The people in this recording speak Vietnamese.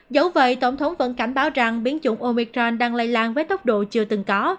dẫu vậy tổng thống vẫn cảnh báo rằng biến chủng omicron đang lây lan với tốc độ chưa từng có